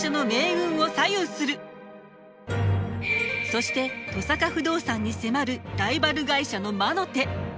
そして登坂不動産に迫るライバル会社の魔の手。